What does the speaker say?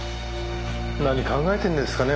何考えてんですかね？